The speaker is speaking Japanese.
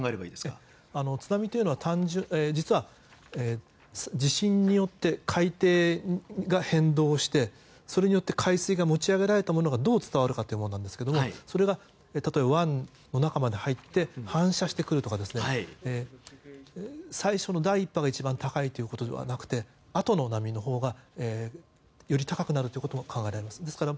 津波というのは実は、地震によって海底が変動してそれによって海水が持ち上げられたものがどう伝わるかというものなんですがそれが、例えば湾の中まで入って反射してくるとか最初の第１波が高いというわけではなくてあとの波のほうがより高くなるということが考えられます。